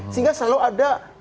sehingga selalu ada